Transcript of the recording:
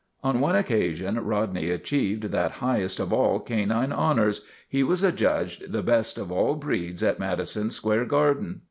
On one occasion Rodney achieved that highest of all canine honors: he was adjudged the best of all breeds at Madison Square Garden.